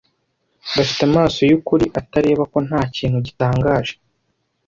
bafite amaso yukuri atareba ko ntakintu gitangaje